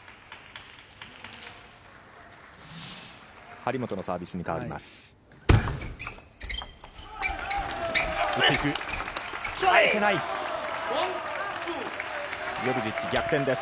張本のサービスに変わります。